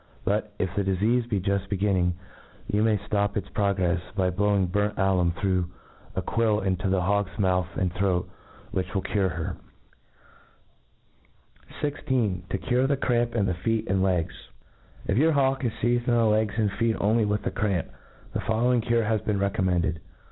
But, if the difeafe be juft beginning, you may flop its progrefs, by Wowing burnt allum through Z quill into the hawk's mouth and throat, which will cure her. \ i6» To cure the Cramp in the Feet snd Legt. If your hawk is feized in the legs and feet only 'with the cramp, the following cure has }}e(sn recommended.